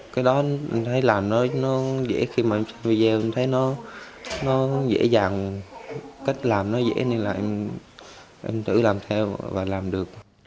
cái đó em thấy làm nó dễ khi mà em xem video em thấy nó dễ dàng cách làm nó dễ nên là em tự làm theo và làm được